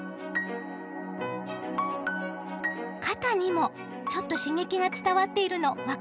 肩にもちょっと刺激が伝わっているの分かりますか？